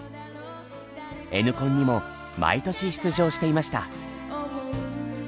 Ｎコンにも毎年出場していました。